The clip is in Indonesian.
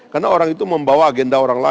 karena orang itu membawa agenda orang lain